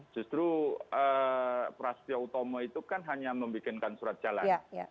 justru prasetya utomo itu kan hanya membuatkan surat jalan